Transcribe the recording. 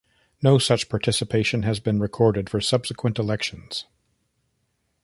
No such participation has been recorded for subsequent elections.